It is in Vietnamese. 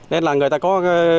nên là người ta có